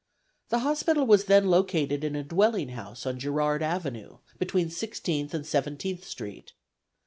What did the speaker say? The hospital was then located in a dwelling house on Girard avenue, between Sixteenth and Seventeenth street.